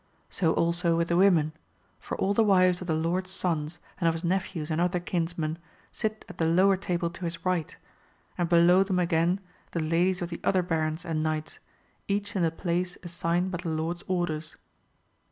So also with the women ; for all the wives of the Lord's sons, and of his nephews and other kinsmen, sit at the lower table to his right ; and below them again the ladies of the other Barons and Knights, each in the place assigned by the Lord's orders.